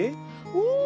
お！